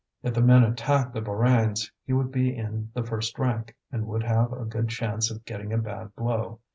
If the men attacked the Borains, he would be in the first rank, and would have a good chance of getting a bad blow.